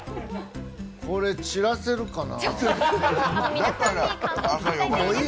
これ、ちらせるかな？